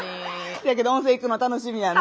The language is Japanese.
せやけど温泉行くの楽しみやな。